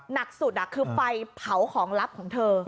หนักสุดคือไฟเผาของลับของเธอ